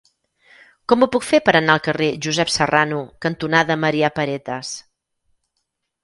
Com ho puc fer per anar al carrer Josep Serrano cantonada Maria Paretas?